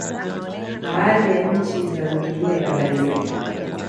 Baadhi ya nchi zinazotumia bandari zetu